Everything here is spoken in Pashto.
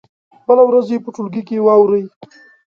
بله ورځ یې په ټولګي کې واوروئ.